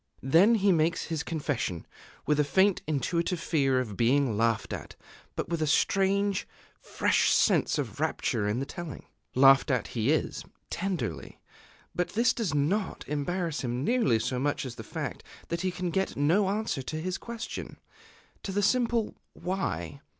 Then he makes his confession, with a faint intuitive fear of being laughed at, but with a strange, fresh sense of rapture in the telling. Laughed at he is tenderly; but this does not embarrass him nearly so much as the fact that he can get no answer to his question, to the simple "Why?"